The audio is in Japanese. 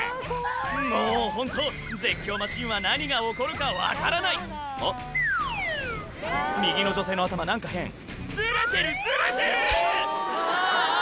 もうホント絶叫マシンは何が起こるか分からないあっ右の女性の頭何か変ずれてるずれてる！